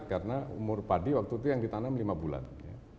karena umur padi waktu itu yang ditanam lima bulan